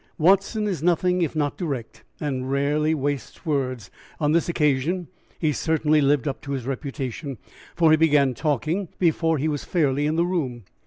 Watson is nothing if not direct, and rarely wastes words. On this occasion he certainly lived up to his reputation, for he began talking before he was fairly in the room.